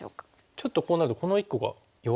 ちょっとこうなるとこの１個が弱いですよね。